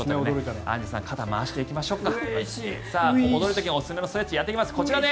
アンジュさん肩を回していきましょうか。